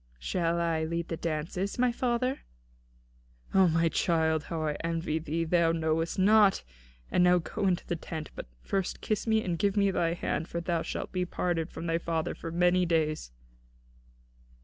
"Shall I lead the dances, my father?" "O my child, how I envy thee, that thou knowest naught! And now go into the tent; but first kiss me, and give me thy hand, for thou shalt be parted from thy father for many days."